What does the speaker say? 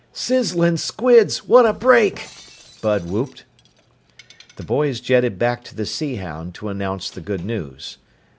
"Sizzlin' squids! What a break!" Bud whooped. The boys jetted back to the Sea Hound to announce the good news.